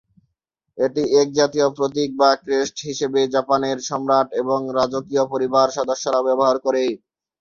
এটি এক জাতীয় প্রতীক বা ক্রেস্ট হিসেবে জাপানের সম্রাট এবং রাজকীয় পরিবার সদস্যরা ব্যবহার করে।